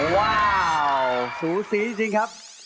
ว้าวสูสีจริงครับ